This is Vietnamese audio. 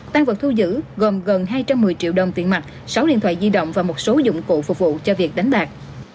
tăng vật thu giữ gồm gần hai trăm một mươi triệu đồng tiền mặt sáu điện thoại di động và một số dụng cụ phục vụ cho việc đánh bạc